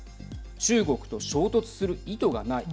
中国と衝突する意図がない。